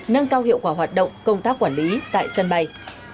nâng cao hiệu quả hoạt động công tác quản lý tại sân bay